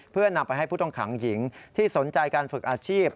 เพื่อนำไปให้ผู้ต้องขังหญิงที่สนใจการฝึกอาชีพ